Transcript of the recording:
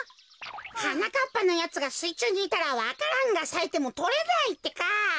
はなかっぱのやつがすいちゅうにいたらわか蘭がさいてもとれないってか。